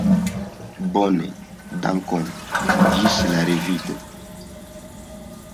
Bone, dankon; ĝis la revido.